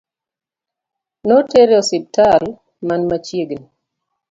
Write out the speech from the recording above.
Notere osiptal man machiegni